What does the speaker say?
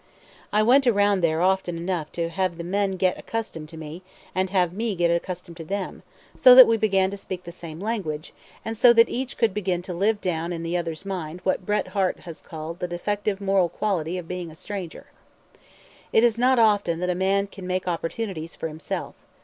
I went around there often enough to have the men get accustomed to me and to have me get accustomed to them, so that we began to speak the same language, and so that each could begin to live down in the other's mind what Bret Harte has called "the defective moral quality of being a stranger." It is not often that a man can make opportunities for himself.